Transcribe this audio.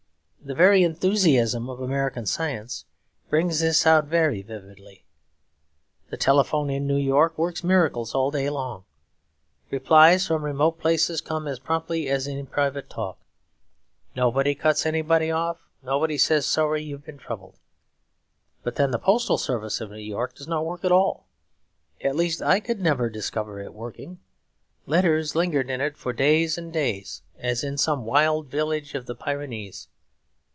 The very enthusiasm of American science brings this out very vividly. The telephone in New York works miracles all day long. Replies from remote places come as promptly as in a private talk; nobody cuts anybody off; nobody says, 'Sorry you've been troubled.' But then the postal service of New York does not work at all. At least I could never discover it working. Letters lingered in it for days and days, as in some wild village of the Pyrenees.